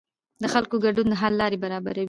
د خلکو ګډون د حل لاره برابروي